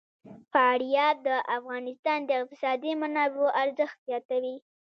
فاریاب د افغانستان د اقتصادي منابعو ارزښت زیاتوي.